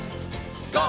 ＧＯ！